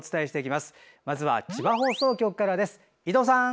まずは千葉放送局からです。